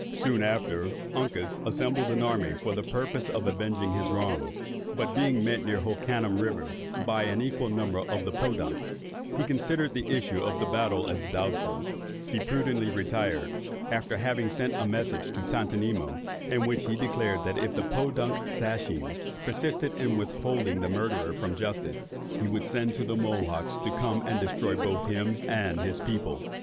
Soon after, Uncas assembled an army for the purpose of avenging his wrongs; but being met near Hoccanum river by an equal number of the Podunks, and considering the issue of a battle as doubtful, he prudently retired, after having sent a message to Tontonimo, in which he declared, that if the Podunk Sachem persisted in withholding the murderer from justice, he would send to the Mohawks to come and destroy both him and his people.